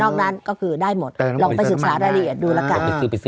นอกนั้นก็คือได้หมดลองไปศึกษาได้เรียนดูแล้วกันลองไปซื้อไปซิ